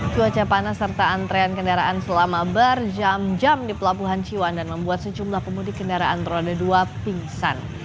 cuaca panas serta antrean kendaraan selama berjam jam di pelabuhan ciwan dan membuat sejumlah pemudik kendaraan roda dua pingsan